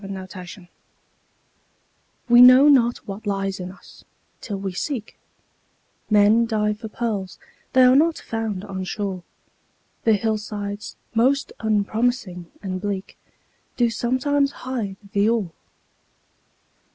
HIDDEN GEMS We know not what lies in us, till we seek; Men dive for pearls—they are not found on shore, The hillsides most unpromising and bleak Do sometimes hide the ore.